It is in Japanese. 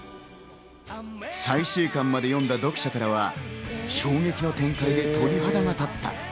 最終巻まで読んだ読者からは衝撃の展開で鳥肌が立った。